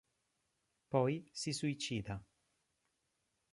Poi, si suicida.